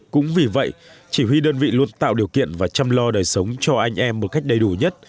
cũng vì vậy chỉ huy đơn vị luôn tạo điều kiện và chăm lo đời sống cho anh em một cách đầy đủ nhất